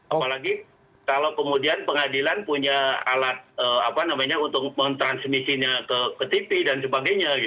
apalagi kalau kemudian pengadilan punya alat untuk mentransmisinya ke tv dan sebagainya